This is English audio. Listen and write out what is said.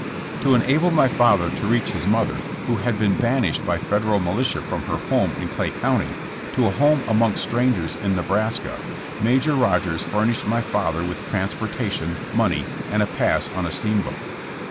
To enable my father to reach his mother, who had been banished by Federal militia from her home in Clay County, to a home among strangers in Ne braska, Major Kodgers furnished my father with transportation, money and a pass on a steamboat.